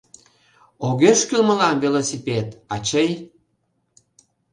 — Огеш кӱл мылам велосипед, ачый.